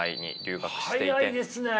早いですね！